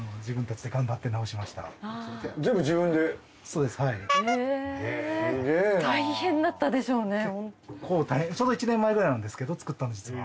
ちょうど１年前くらいなんですけど造ったの実は。